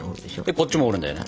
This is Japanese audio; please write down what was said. こっちも折るんだよね。